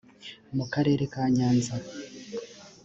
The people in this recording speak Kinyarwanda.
mu karere ka nyanza